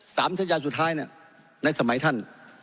สัญญาสุดท้ายเนี่ยในสมัยท่าน